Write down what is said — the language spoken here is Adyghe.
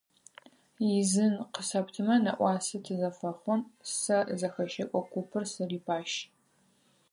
Изын къысэптымэ нэӏуасэ тызэфэхъун, сэ зэхэщэкӏо купым сырипащ.